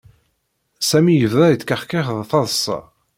Sami yebda yettkexkix d taḍṣa.